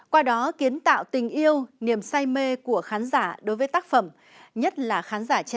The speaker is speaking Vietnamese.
qua đó kiến tạo tình yêu niềm say mê của khán giả đối với tác phẩm nhất là khán giả trẻ